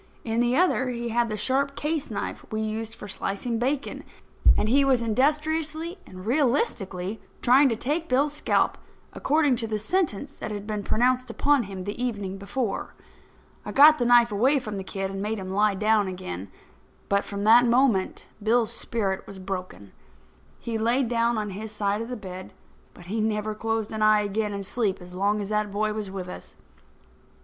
In the other he had the sharp case knife we used for slicing bacon; and he was industriously and realistically trying to take Bill's scalp, according to the sentence that had been pronounced upon him the evening before. I got the knife away from the kid and made him lie down again. But, from that moment, Bill's spirit was broken. He laid down on his side of the bed, but he never closed an eye again in sleep as long as that boy was with us.